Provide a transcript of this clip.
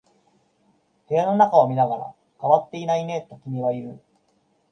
部屋の中を見ながら、変わっていないねと君は言う。